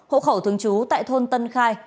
hộ khẩu thường trú tại thôn tân khai